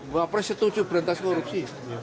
bapak pres setuju berhentas korupsi